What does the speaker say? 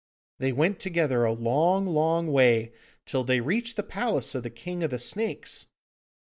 They went together a long, long way, till they reached the palace of the King of the Snakes.